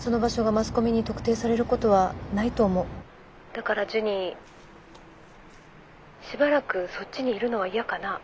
だからジュニしばらくそっちにいるのは嫌かなあ。